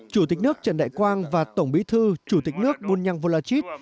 chủ tịch nước trần đại quang và tổng bí thư chủ tịch nước bunyang volachit